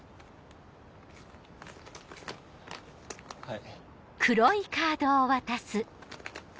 はい。